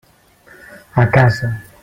A casa.